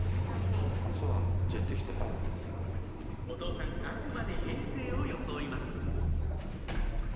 お父さんあくまで平静を装います